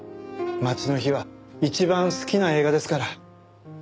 『街の灯』は一番好きな映画ですから。